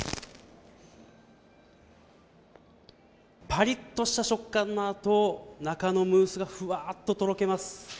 ぱりっとした食感のあと、中のムースがふわーっととろけます。